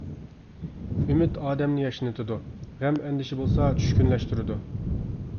ئۈمىد ئادەمنى ياشنىتىدۇ، غەم -ئەندىشە بولسا چۈشكۈنلەشتۈرىدۇ.